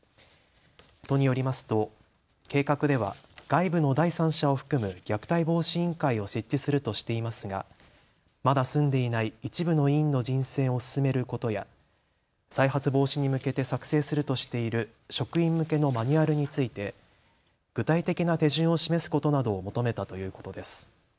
都によりますと計画では外部の第三者を含む虐待防止委員会を設置するとしていますが、まだ済んでいない一部の委員の人選を進めることや再発防止に向けて作成するとしている職員向けのマニュアルについて具体的な手順を示すことなどを求めたということです。